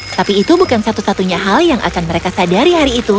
tapi itu bukan satu satunya hal yang akan mereka sadari hari itu